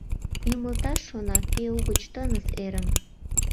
Ӱмылташ шона кӧ угыч тыныс эрым